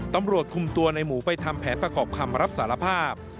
ตำรวจคุมตัวในหมูไปทำแผนประกอบคำรับสารภาพ